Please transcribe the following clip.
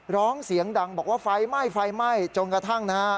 ร้องเสียงดังบอกว่าไฟไหม้ไฟไหม้จนกระทั่งนะฮะ